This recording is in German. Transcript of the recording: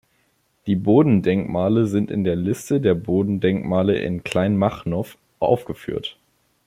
Die Bodendenkmale sind in der Liste der Bodendenkmale in Kleinmachnow aufgeführt.